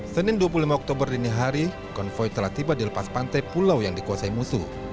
senin dua puluh lima oktober dini hari konvoy telah tiba di lepas pantai pulau yang dikuasai musuh